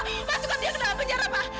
masukkan dia ke dalam penjara pak